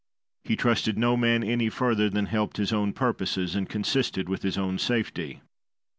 He trusted no man any further than helped his own purposes and consisted with his own safety.